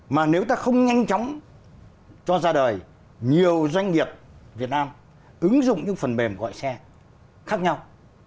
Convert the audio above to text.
mà nếu ta không nhanh chóng cho ra đời nhiều doanh nghiệp việt nam ứng dụng những phần mềm gọi xe khác nhau